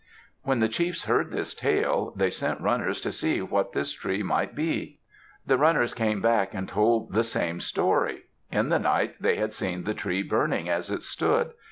When the chiefs heard this tale, they sent runners to see what this tree might be. The runners came back and told the same story. In the night they had seen the tree burning as it stood.